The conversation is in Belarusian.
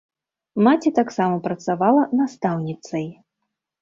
Маці таксама працавала настаўніцай.